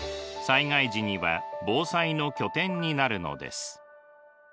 災害時には防災の拠点になるのです。